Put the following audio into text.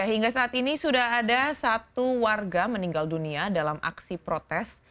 hingga saat ini sudah ada satu warga meninggal dunia dalam aksi protes